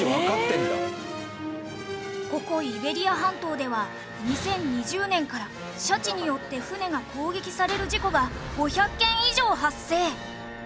ここイベリア半島では２０２０年からシャチによって船が攻撃される事故が５００件以上発生。